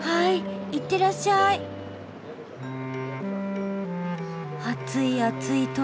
いってらっしゃい。